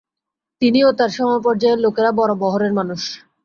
তিনি ও তাঁর সমপর্যায়ের লোকেরা বড়ো বহরের মানুষ।